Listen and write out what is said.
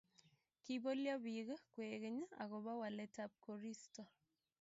Kibolyo biik kwekeny akobo waletab koristo